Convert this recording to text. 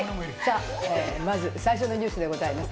まず最初のニュースでございます。